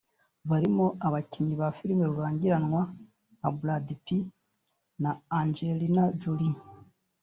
barimo abakinnyi ba filimi rurangiranwa nka Brad Pitt na Angelina Jolie